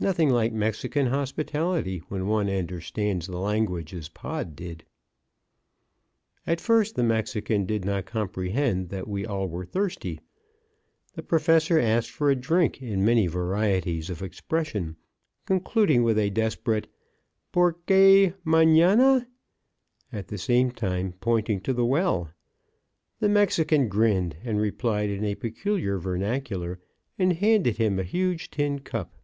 Nothing like Mexican hospitality when one understands the language as Pod did. At first the Mexican did not comprehend that we all were thirsty. The Professor asked for a drink in many varieties of expression, concluding with a desperate "Porque Manana?" at the same time pointing to the well. The Mexican grinned, and replied in a peculiar vernacular, and handed him a huge tin cup.